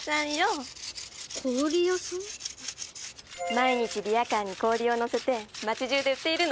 毎日リヤカーに氷を載せて町じゅうで売っているのよ。